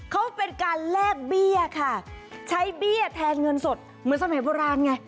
เขาเป็นการแลกเบี้ยค่ะใช้เบี้ยแทนเงินสดเหมือนสมัยโบราณไง